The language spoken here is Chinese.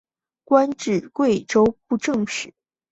官至贵州布政使。